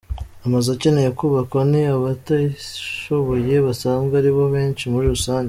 Amazu akenewe kubakwa ni ay’abatishoboye basanzwe aribo benshi muri rusange.